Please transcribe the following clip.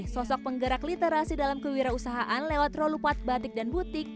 sosok penggerak literasi dalam kewirausahaan lewat rolupat batik dan butik